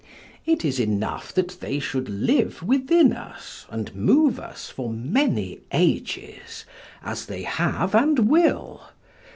It is enough that they should live within us and move us for many ages as they have and will.